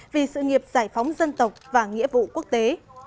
vì sự nghiệp giải phóng dân tộc và nghĩa vụ quốc tế